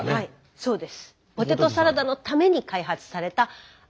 そうです。